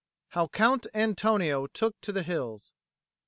HOW COUNT ANTONIO TOOK TO THE HILLS.